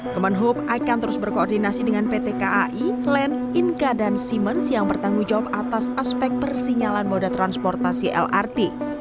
kemenhub akan terus berkoordinasi dengan pt kai len inka dan simens yang bertanggung jawab atas aspek persinyalan moda transportasi lrt